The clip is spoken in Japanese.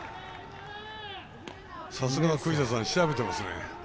さすが栗田さん調べてますね。